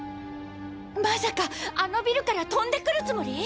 まさかあのビルから飛んでくるつもり？